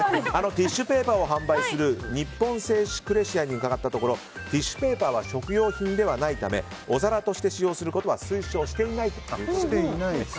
ティッシュペーパーを販売する日本製紙クレシアに伺ったところティッシュペーパーは食用品ではないためお皿として使用することは推奨していないということです。